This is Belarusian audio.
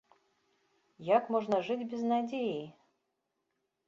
Як можна жыць без надзеі?!